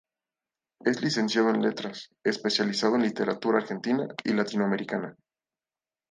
Es licenciado en Letras, especializado en literatura argentina y latinoamericana.